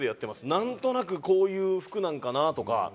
なんとなくこういう服なんかなとか。